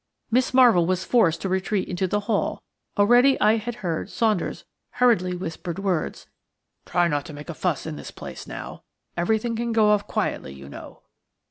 Miss Marvell was forced to retreat into the hall; already I had heard Saunder's hurriedly whispered words: "Try and not make a fuss in this place, now. Everything can go off quietly, you know."